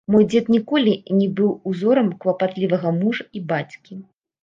Мой дзед ніколі не быў узорам клапатлівага мужа і бацькі.